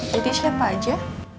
jadi siapa aja